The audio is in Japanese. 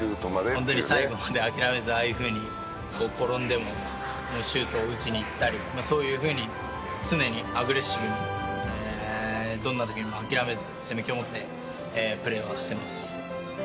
ホントに最後まで諦めずああいうふうに転んでもシュートを打ちにいったりそういうふうに常にアグレッシブにどんな時にも諦めず攻め気を持ってプレーはしてます。